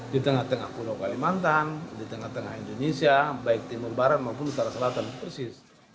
di tengah tengah pulau kalimantan di tengah tengah indonesia baik timur barat maupun utara selatan persis